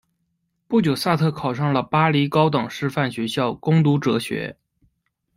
不久萨特考上了巴黎高等师范学校攻读哲学。